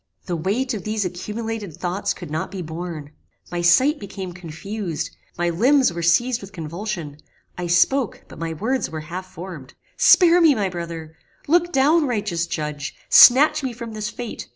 The weight of these accumulated thoughts could not be borne. My sight became confused; my limbs were seized with convulsion; I spoke, but my words were half formed: "Spare me, my brother! Look down, righteous Judge! snatch me from this fate!